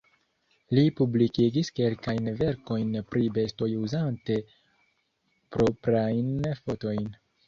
Li publikigis kelkajn verkojn pri bestoj uzante proprajn fotojn.